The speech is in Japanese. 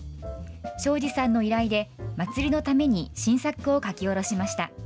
庄司さんの依頼で、祭りのために新作を描き下ろしました。